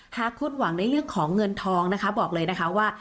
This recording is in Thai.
คดหวังในเรื่องของเงินทองนะคะบอกเลยนะคะว่า